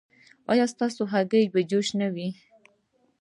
ایا ستاسو هګۍ به جوش نه وي؟